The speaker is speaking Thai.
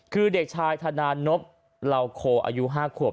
คือเด็กชายธนานพเหลาโคอายุ๕ขวบ